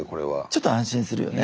ちょっと安心するよね。